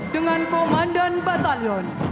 dengan komandan batalion